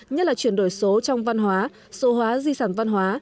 nhất là chuyển đổi số trong văn hóa số hóa di sản văn hóa